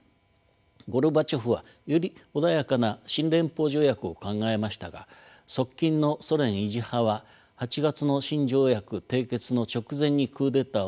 ゴルバチョフはより穏やかな新連邦条約を考えましたが側近のソ連維持派は８月の新条約締結の直前にクーデターを謀ります。